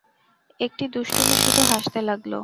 একটি দুষ্টু মেয়ে শুধু হাসতে লাগল।